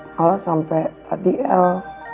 malah sampe tadi el